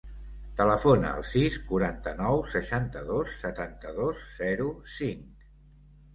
Telefona al sis, quaranta-nou, seixanta-dos, setanta-dos, zero, cinc.